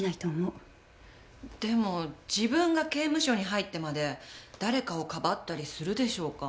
でも自分が刑務所に入ってまで誰かをかばったりするでしょうか。